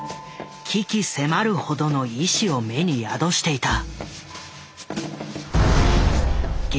鬼気迫るほどの意思を目に宿していた。